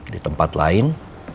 di tempat lain